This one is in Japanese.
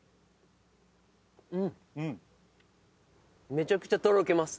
めちゃくちゃとろけます。